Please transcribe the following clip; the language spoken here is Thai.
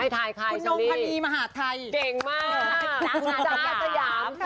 ใครทายใครแนนมหาทัยเยียงมาก